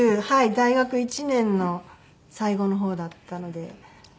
大学１年の最後の方だったので。